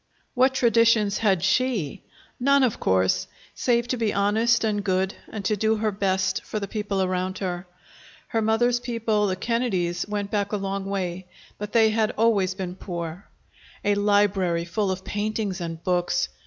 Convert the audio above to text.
What traditions had she? None, of course, save to be honest and good and to do her best for the people around her. Her mother's people, the Kennedys went back a long way, but they had always been poor. A library full of paintings and books!